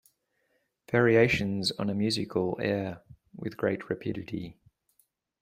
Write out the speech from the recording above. Variations on a musical air With great rapidity.